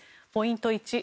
ポイント